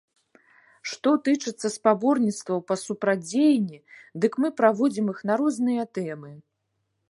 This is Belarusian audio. Што тычыцца спаборніцтваў па супрацьдзеянні, дык мы праводзім іх на розныя тэмы.